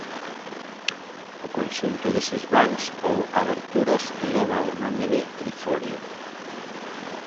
O conxunto deses vans ou aberturas leva o nome de triforio.